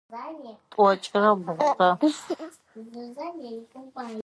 Тӏокӏырэ бгъурэ.